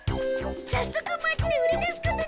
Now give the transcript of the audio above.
さっそく町で売り出すことにしました。